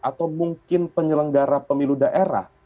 atau mungkin penyelenggara pemilu daerah